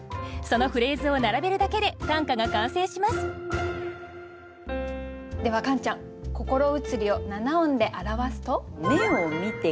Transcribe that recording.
そのフレーズを並べるだけで短歌が完成しますではカンちゃん「心移り」を七音で表すと？